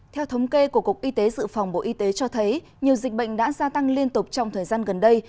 theo thống kê của cục y tế dự phòng bộ y tế cho thấy nhiều dịch bệnh đã gia tăng liên tục trong thời gian gần đây